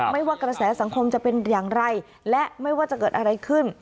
ว่ากระแสสังคมจะเป็นอย่างไรและไม่ว่าจะเกิดอะไรขึ้น